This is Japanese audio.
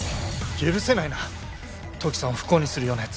許せないな土岐さんを不幸にするような奴。